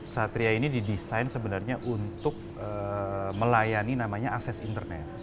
satria ini didesain sebenarnya untuk melayani namanya akses internet